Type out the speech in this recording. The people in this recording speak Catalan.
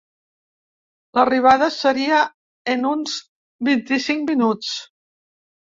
L'arribada seria en uns vint-i-cinc minuts.